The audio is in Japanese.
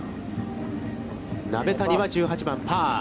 鍋谷は１８番パー。